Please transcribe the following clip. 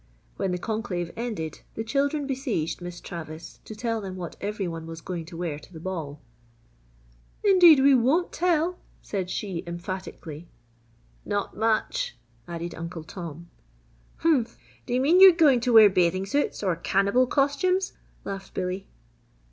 When the conclave ended, the children besieged Miss Travis to tell them what every one was going to wear to the ball. "Indeed we won't tell!" said she, emphatically. "Not much!" added Uncle Tom. "Humph! Do you mean you're going to wear bathing suits, or cannibal costumes?" laughed Billy.